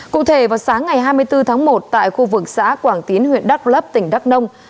cụ thể vào sáng ngày hai mươi bốn tháng một tại khu vực xã quảng tín huyện đắk lấp tỉnh đắk nông